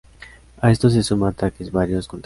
A esto se suma ataques varios contra los soldados.